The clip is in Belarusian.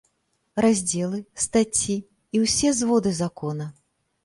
Раздзелы, стацці і ўсе зводы закона!